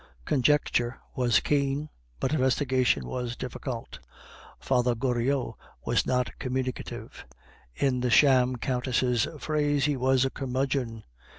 Conjecture was keen, but investigation was difficult. Father Goriot was not communicative; in the sham countess' phrase he was "a curmudgeon."